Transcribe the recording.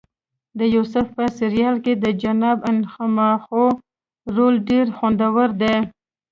د یوسف په سریال کې د جناب انخماخو رول ډېر خوندور دی.